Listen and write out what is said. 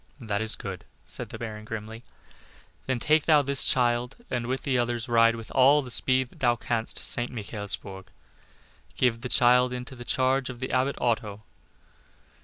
"That is good," said the Baron, grimly. "Then take thou this child, and with the others ride with all the speed that thou canst to St. Michaelsburg. Give the child into the charge of the Abbot Otto.